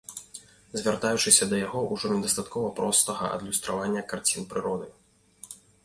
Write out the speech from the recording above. Звяртаючыся да яго, ужо недастаткова простага адлюстравання карцін прыроды.